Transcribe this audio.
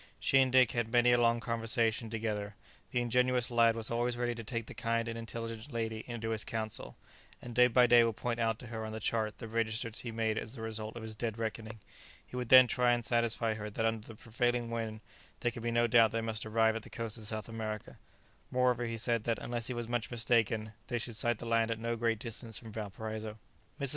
She and Dick had many a long conversation together. The ingenuous lad was always ready to take the kind and intelligent lady into his counsel, and day by day would point out to her on the chart the registers he made as the result of his dead reckoning; he would then try and satisfy her that under the prevailing wind there could be no doubt they must arrive at the coast of South America: moreover, he said that, unless he was much mistaken, they should sight the land at no great distance from Valparaiso. Mrs.